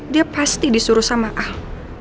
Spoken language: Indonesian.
dia pasti disuruh sama ah